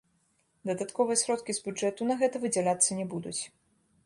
Дадатковыя сродкі з бюджэту на гэта выдзяляцца не будуць.